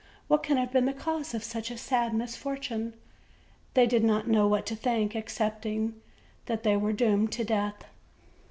what can have been the cause of such a sad misfortune?" They did not know what to think, excepting that they were doomed to death.